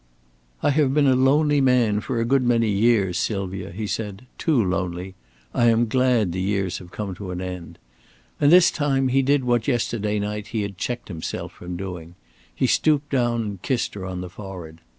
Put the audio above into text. "I have been a lonely man for a good many years, Sylvia," he said, "too lonely. I am glad the years have come to an end"; and this time he did what yesterday night he had checked himself from doing. He stooped down and kissed her on the forehead.